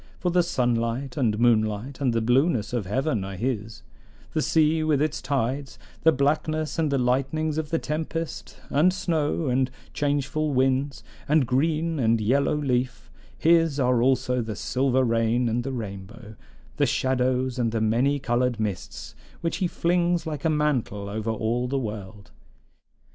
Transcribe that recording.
For the sunlight and moonlight and the blueness of heaven are his; the sea with its tides; the blackness and the lightnings of the tempest, and snow, and changeful winds, and green and yellow leaf; his are also the silver rain and the rainbow, the shadows and the many colored mists, which he flings like a mantle over all the world.